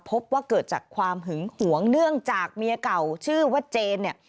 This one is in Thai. พบว่าเกิดจากความหึงหวงเนื่องจากเมียเก่าชื่อว่าเจนเนี่ย